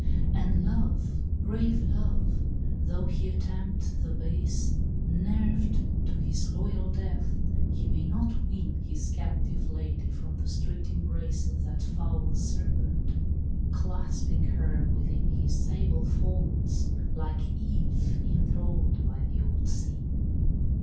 And Love, brave Love! though he attempt the base, Nerved to his loyal death, he may not win His captive lady from the strict embrace Of that foul Serpent, clasping her within His sable folds like Eve enthrall'd by the old Sin.